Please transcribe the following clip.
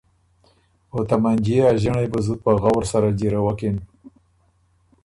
او ته منجيې ا ݫِنړئ بُو زُت په غؤر سره جیرَوکِن۔